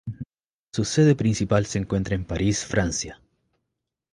Su sede principal se encuentra en París, Francia.